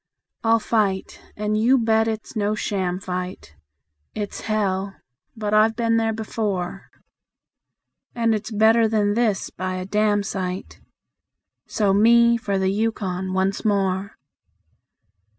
I'll fight and you bet it's no sham fight; It's hell! but I've been there before; And it's better than this by a damsite So me for the Yukon once more.